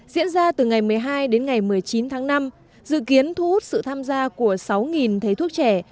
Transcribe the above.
diễn ra từ ngày một mươi hai đến ngày một mươi chín tháng năm dự kiến thu hút sự tham gia của sáu thầy thuốc trẻ